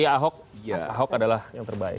hitam putih ahok ahok adalah yang terbaik